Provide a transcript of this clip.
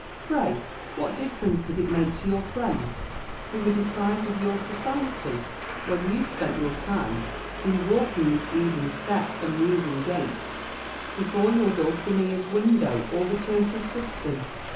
Pray, what difference did it make to your friends, who were deprived of your society, whether you spent your time in walking with 'even step, and musing gait,' before your Dulcinea's window or the turtle's cistern?